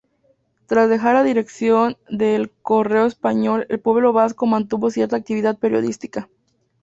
Tras dejar la dirección de El Correo Español-El Pueblo Vasco mantuvo cierta actividad periodística.